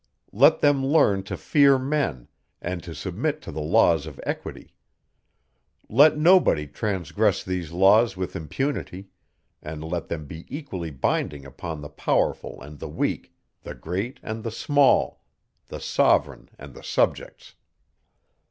Let them learn to fear men, and to submit to the laws of equity. Let nobody transgress these laws with impunity; and let them be equally binding upon the powerful and the weak, the great and the small, the sovereign and the subjects.